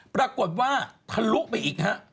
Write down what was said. ปรากฎว่าถลุกไปอีกฮะ